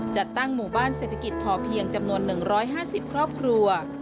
จัดตั้งหมู่บ้านเศรษฐกิจพอเพียงจำนวน๑๕๐ครอบครัว